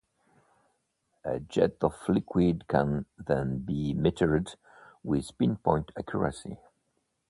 A jet of liquid can then be metered with pinpoint accuracy.